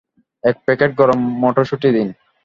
এক প্যাকেট গরম মটরশুঁটি দিন।